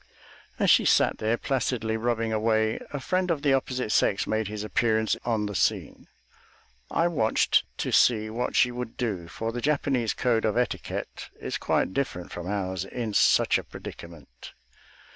As she sat there, placidly rubbing away, a friend of the opposite sex made his appearance on the scene. I watched to see what she would do, for the Japanese code of etiquette is quite different from ours in such a predicament.